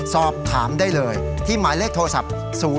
สอบถามได้เลยที่หมายเลขโทรศัพท์๐๙